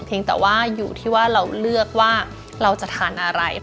แต่ว่าอยู่ที่ว่าเราเลือกว่าเราจะทานอะไร